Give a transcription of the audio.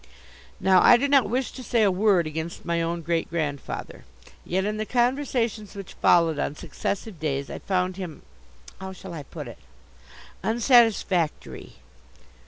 Now I do not wish to say a word against my own great grandfather. Yet in the conversations which followed on successive days I found him how shall I put it? unsatisfactory.